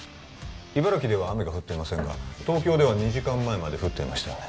茨城では雨が降っていませんが東京では２時間前まで降っていましたよね